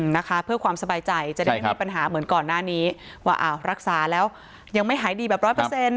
นะคะเพื่อความสบายใจจะได้ไม่มีปัญหาเหมือนก่อนหน้านี้ว่าอ้าวรักษาแล้วยังไม่หายดีแบบร้อยเปอร์เซ็นต